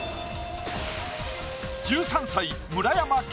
１３歳村山輝